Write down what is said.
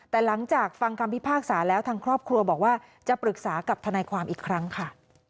แต่หลังจากฟังคำพิพากษาแล้วทางครอบครัวบอกว่าจะปรึกษากับทนายความอีกครั้งค่ะ